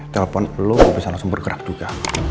telpon lo bisa langsung bergerak juga